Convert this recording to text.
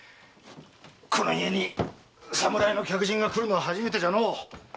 この家に侍の客人が来るのは初めてじゃのう。